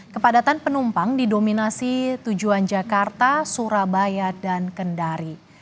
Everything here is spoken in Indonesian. kepadatan penumpang didominasi tujuan jakarta surabaya dan kendari